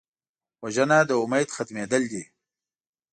وژنه د امید ختمېدل دي